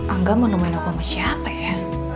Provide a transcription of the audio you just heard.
angga mau nemen aku sama siapa ya